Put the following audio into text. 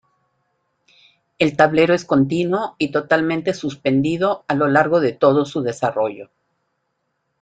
El tablero es continuo y totalmente suspendido a lo largo de todo su desarrollo.